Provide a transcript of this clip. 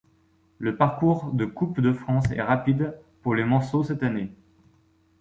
Le parcours de coupe de France est rapide pour les Manceaux cette saison.